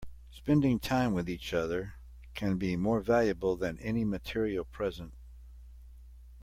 Spending time with each other can be more valuable than any material present.